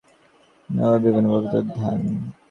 তারপর বিভিন্ন বস্তুর উপরে ধ্যান।